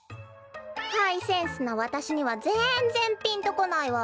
ハイセンスのわたしにはぜんぜんピンとこないわ。